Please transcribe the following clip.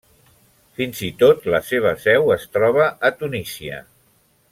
Fins i tot la seva seu es troba a Tunísia.